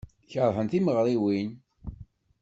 Keṛhen timeɣriwin.